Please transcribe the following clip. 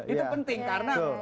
itu penting karena